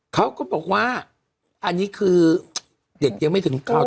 เขาก็บอกว่าอันนี้คือเด็กยังไม่ถึง๙๐